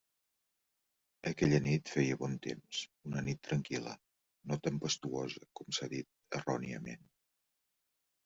Aquella nit feia bon temps, una nit tranquil·la, no tempestuosa com s'ha dit erròniament.